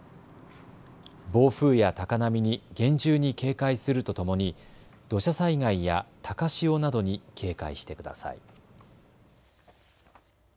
暴風や高波に厳重に警戒するとともに土砂災害や高潮などに警戒してください。